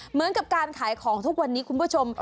เหมือนกับการขายของทุกวันนี้คุณผู้ชม